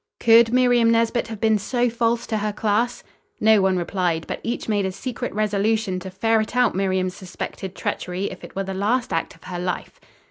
Could Miriam Nesbit have been so false to her class? No one replied, but each made a secret resolution to ferret out Miriam's suspected treachery if it were the last act of her life.